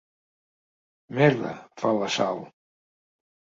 Merda, fa la Sal.